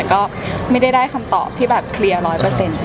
ก็ไม่ได้ได้คำตอบที่แบบเคลียร์ร้อยเปอร์เซ็นต์